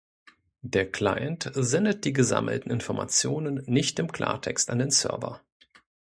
Der Client sendet die gesammelten Informationen nicht im Klartext an den Server.